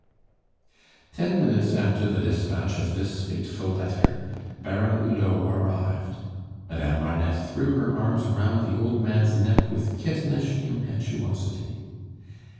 Ten minutes after the despatch of this fateful letter, Baron Hulot arrived. Madame Marneffe threw her arms round the old man's neck with kittenish impetuosity.